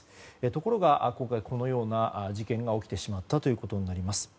ところが、今回このような事件が起きてしまったということになります。